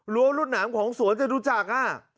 รัวรวดหนามของสวนจะรู้จักฮะ